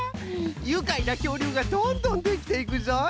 ゆかいなきょうりゅうがどんどんできていくぞい！